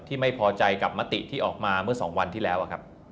ไม่พอใจกับมติที่ออกมาเมื่อ๒วันที่แล้วครับ